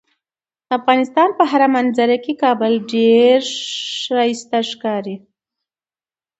د افغانستان په هره منظره کې کابل ډیر ښکاره ښکاري.